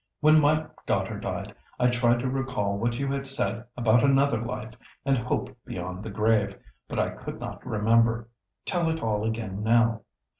When my daughter died, I tried to recall what you had said about another life and hope beyond the grave, but I could not remember. Tell it all again now.